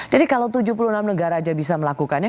jadi kalau tujuh puluh enam negara saja bisa melakukannya